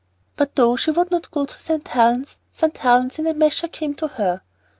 But though she would not go to St. Helen's, St. Helen's in a measure came to her.